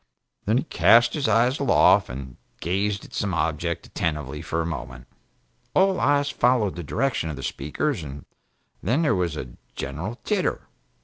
Then he cast his eyes aloft and gazed at some object attentively for a moment. All eyes followed the direction of the Speaker's, and then there was a general titter.